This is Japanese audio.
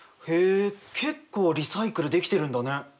へえ結構リサイクルできてるんだね。